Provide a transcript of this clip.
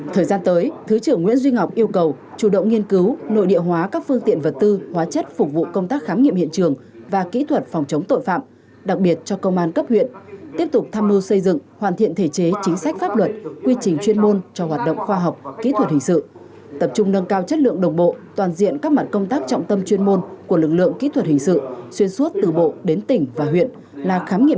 thời gian tới thứ trưởng nguyễn duy ngọc yêu cầu chủ động nghiên cứu nội địa hóa các phương tiện vật tư hóa chất phục vụ công tác khám nghiệm hiện trường và kỹ thuật phòng chống tội phạm đặc biệt cho công an cấp huyện tiếp tục tham mưu xây dựng hoàn thiện thể chế chính sách pháp luật quy trình chuyên môn cho hoạt động khoa học kỹ thuật hình sự tập trung nâng cao chất lượng đồng bộ toàn diện các mặt công tác trọng tâm chuyên môn của lực lượng kỹ thuật hình sự xuyên suốt từ bộ đến tỉnh và huyện là khám nghiệm